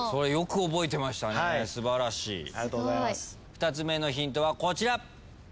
２つ目のヒントはこちら。